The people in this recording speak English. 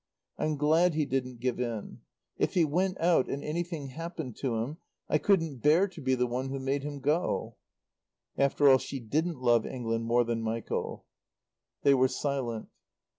"I'm glad he didn't give in. If he went out, and anything happened to him, I couldn't bear to be the one who made him go." After all, she didn't love England more than Michael. They were silent.